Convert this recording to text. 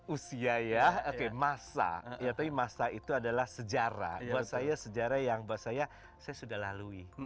usia ya oke masa ya tapi masa itu adalah sejarah buat saya sejarah yang buat saya saya sudah lalui